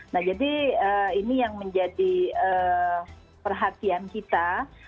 nah jadi ini yang menjadi perhatian kita